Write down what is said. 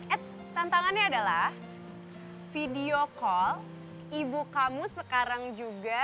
ed tantangannya adalah video call ibu kamu sekarang juga